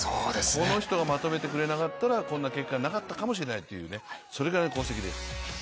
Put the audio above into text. この人がまとめてくれなかったらこんな結果じゃなかったかもしれないというぐらいそれぐらいの功績です。